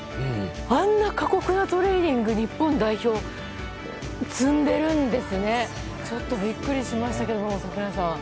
あんな過酷なトレーニング日本代表積んでいるんですねちょっとビックリしましたけど。